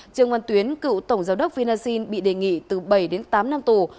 trương quân tuyến cựu tổng giám đốc vinaxin bị đề nghị từ bảy đến tám năm tù